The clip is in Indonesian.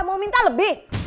mau minta lebih